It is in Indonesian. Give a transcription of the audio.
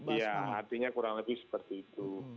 iya artinya kurang lebih seperti itu